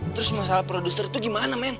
terus masalah produser itu gimana men